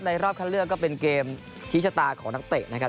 รอบคันเลือกก็เป็นเกมชี้ชะตาของนักเตะนะครับ